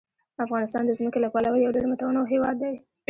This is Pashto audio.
افغانستان د ځمکه له پلوه یو ډېر متنوع هېواد دی.